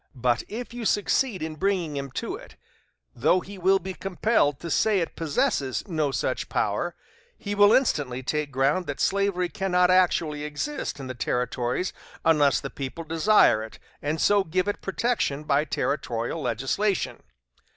But if you succeed in bringing him to it though he will be compelled to say it possesses no such power he will instantly take ground that slavery cannot actually exist in the Territories unless the people desire it and so give it protection by territorial legislation.